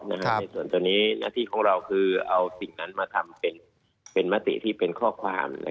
ในส่วนตัวนี้หน้าที่ของเราคือเอาสิ่งนั้นมาทำเป็นมติที่เป็นข้อความ